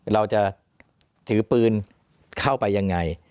เราจะถือปืนเข้าไปยังไง